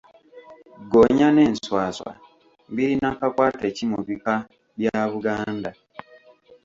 Ggoonya n’enswaswa birina kakwate ki mu bika bya Buganda?